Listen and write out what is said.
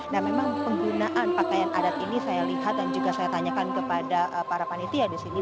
nah memang penggunaan pakaian adat ini saya lihat dan juga saya tanyakan kepada para panitia di sini